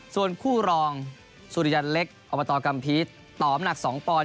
ส่วนคู่รองสุริยันเล็กอบตกัมภีร์ต่ออำหนัก๒ปอนด